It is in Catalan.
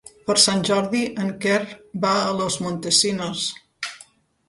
Per Sant Jordi en Quer va a Los Montesinos.